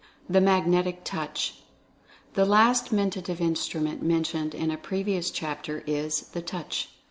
THE MAGNETIC TOUCH. The last Mentative Instrument mentioned in a pre vious chapter is the Touch.